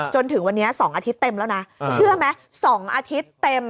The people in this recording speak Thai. จนถึงวันนี้๒อาทิตย์เต็มแล้วนะเชื่อไหม๒อาทิตย์เต็ม